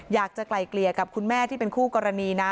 อยากจะไกลเกลี่ยกับคุณแม่ที่เป็นคู่กรณีนะ